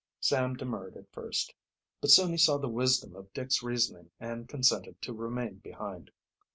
Sam demurred at first, but soon saw the wisdom of Dick's reasoning and consented to remain behind.